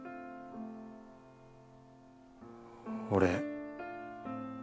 俺。